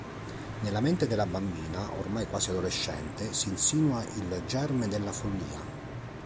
Nella mente della bambina, oramai quasi adolescente, si insinua il germe della follia.